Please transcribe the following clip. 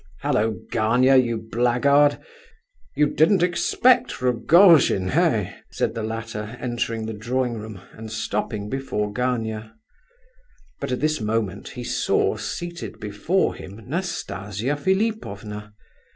"Hallo, Gania, you blackguard! You didn't expect Rogojin, eh?" said the latter, entering the drawing room, and stopping before Gania. But at this moment he saw, seated before him, Nastasia Philipovna.